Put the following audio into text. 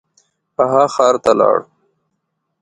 هغه ښار ته لاړ.